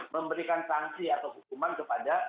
memberikan sanksi atau hukuman kepada